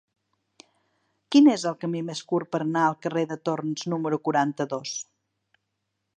Quin és el camí més curt per anar al carrer de Torns número quaranta-dos?